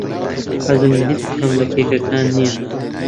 حەزم لە هیچ کام لە کێکەکان نییە.